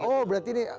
oh berarti ini